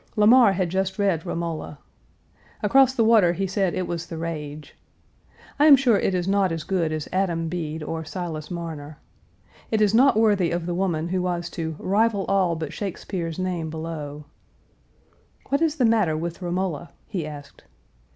Lamar had just read Romola. Across the water he said it was the rage. I am sure it is not as good as Adam Bede or Silas Marner. It is not worthy of the woman who was to "rival all but Shakespeare's name below." "What is the matter with Romola?" he asked.